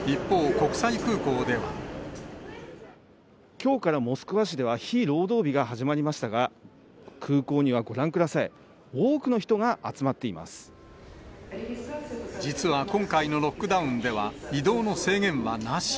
きょうからモスクワ市では、非労働日が始まりましたが、空港にはご覧ください、多くの人実は今回のロックダウンでは、移動の制限はなし。